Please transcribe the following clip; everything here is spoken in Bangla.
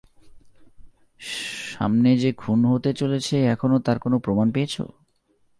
সামনে যে খুন হতে চলেছে এখনো তার কোন প্রমাণ পেয়েছো?